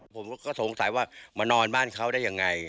ผมก็สงสัยว่ามานอนบ้านเขาได้ยังไง